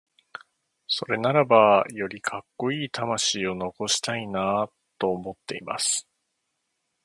それならばよりカッコイイ魂を残したいなと思っています。